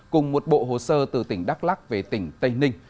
cùng một bộ hồ sơ từ tỉnh đắk lắc về tỉnh tây ninh